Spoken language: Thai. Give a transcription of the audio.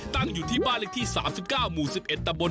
ตั้งอยู่ที่บ้านเลขที่๓๙หมู่๑๑ตะบน